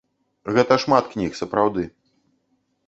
Гэта шмат кніг, сапраўды.